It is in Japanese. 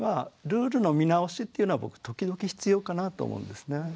ルールの見直しっていうのは僕時々必要かなと思うんですね。